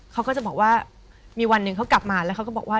เขาก็จะบอกว่ามีวันหนึ่งเขากลับมาแล้วเขาก็บอกว่า